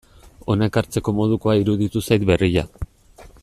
Hona ekartzeko modukoa iruditu zait berria.